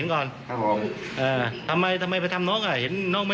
ครับพร้อม